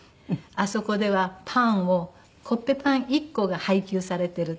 「あそこではパンをコッペパン１個が配給されてる」。